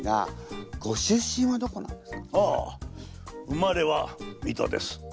生まれは水戸です。